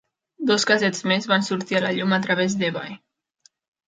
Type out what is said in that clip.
Dos cassets més van sortir a la llum a través d'eBay.